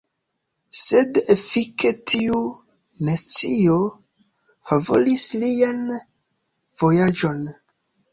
Sed efike tiu nescio favoris lian vojaĝon.